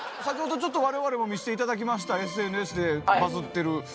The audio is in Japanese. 先ほどちょっと我々も見していただきましたＳＮＳでバズッてる。